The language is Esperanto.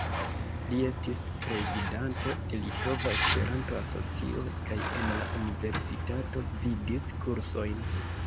Li estis prezidanto de Litova Esperanto-Asocio, kaj en la universitato gvidis kursojn.